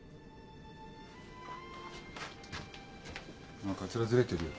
お前カツラズレてるよ。